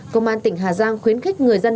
công an tỉnh hà giang khuyến khích người dân